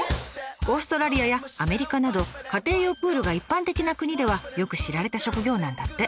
オーストラリアやアメリカなど家庭用プールが一般的な国ではよく知られた職業なんだって。